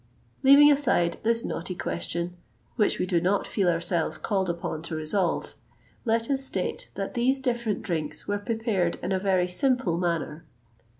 Leaving aside this knotty question, which we do not feel ourselves called upon to resolve, let us state that these different drinks were prepared in a very simple manner.